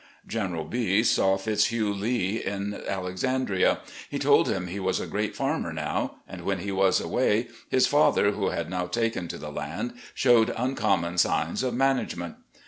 General B saw Fitzhugh Lee in Alexandria. He told him he was a. great farmer now, and when he was away, his father, who had now taken to the land, showed imcommon signs of management.